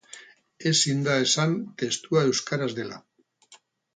Ezin da esan testua euskaraz dela.